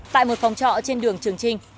tại một phòng trọ trên đường trường trinh